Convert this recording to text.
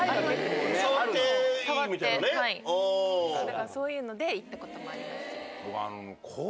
そういうので行ったこともあります。